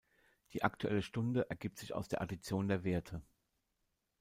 Die aktuelle Stunde ergibt sich aus der Addition der Werte.